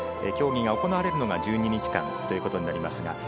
競技が行われるのが１２日間ということになります。